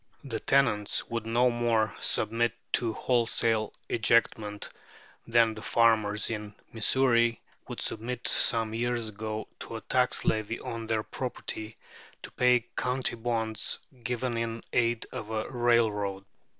The tenants would no more submit to wholesale ejectment than the farmers in Missouri would submit some years ago to a tax levy on their property to pay county bonds given in aid of a railroad.